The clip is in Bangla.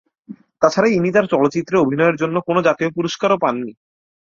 তাছাড়া ইনি তার চলচ্চিত্রে অভিনয়ের জন্য কোনো জাতীয় পুরস্কারও পাননি।